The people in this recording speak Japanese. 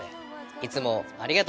いつもありがとう！